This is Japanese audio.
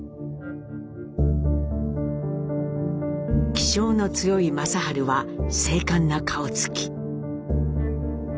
気性の強い正治は精かんな顔つき。